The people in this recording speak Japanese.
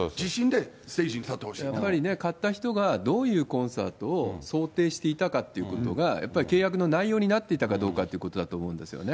やっぱりね、買った人がどういうコンサートを想定していたかということが、やっぱり契約の内容になっていたかということだと思うんですよね。